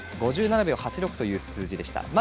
５７秒８６という数字でした。